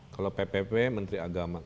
kalau ppp menteri agama